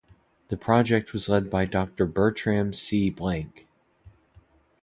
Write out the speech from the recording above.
The project was led by Doctor Bertram C. Blanke.